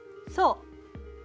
そう。